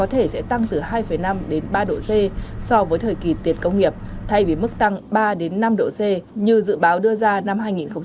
thế giới sẽ tăng từ hai năm đến ba độ c so với thời kỳ tiệt công nghiệp thay vì mức tăng ba đến năm độ c như dự báo đưa ra năm hai nghìn một mươi bốn